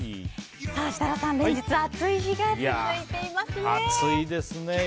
設楽さん、連日暑い日が続いていますね。